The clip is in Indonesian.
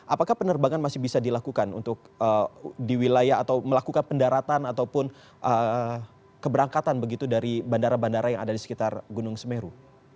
apakah penerbangan masih bisa dilakukan untuk di wilayah atau melakukan pendaratan ataupun keberangkatan begitu dari bandara bandara yang ada di sekitar gunung semeru